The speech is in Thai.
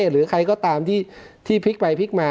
หรือใครก็ตามที่พลิกไปพลิกมา